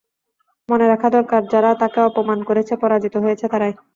মনে রাখা দরকার, যারা তাঁকে অপমান করেছে, পরাজিত হয়েছে তারাই।